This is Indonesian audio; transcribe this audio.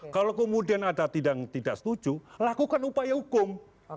kalau kemudian ada yang tidak setuju lakukan upaya hukum